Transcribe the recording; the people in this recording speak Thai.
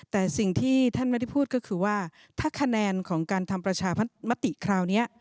แต่สิ่งที่ท่านไม่ได้พูดก็คือว่าถ้าคะแนนของการทำประชามติคราวนี้